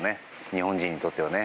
日本人にとっては。